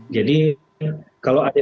jadi kalau ada